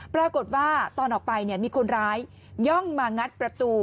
ปรากฏว่าตอนออกไปมีคนร้ายย่องมางัดประตู